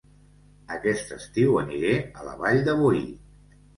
Aquest estiu aniré a La Vall de Boí